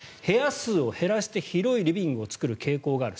最新動向として部屋数を減らして広いリビングを作る傾向がある。